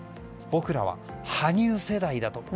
僕らは羽生世代だと。